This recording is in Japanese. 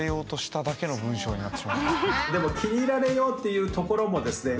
でも気に入られようっていうところもですね